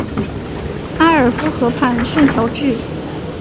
埃尔夫河畔圣乔治。